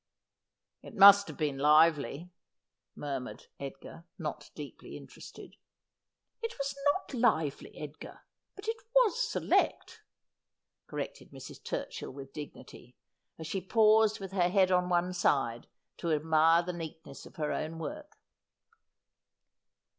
'It must have been lively,' murmured Edgar, not deeply interested. ' It was not lively, Edgar, but it was select,' corrected Mrs. Turchill with dignity, as she paused with her head on one side to admire the neatness of her own work.